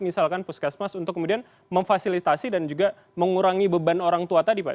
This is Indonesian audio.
misalkan puskesmas untuk kemudian memfasilitasi dan juga mengurangi beban orang tua tadi pak